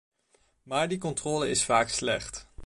Maar die controle is vaak slecht.